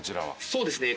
そうですね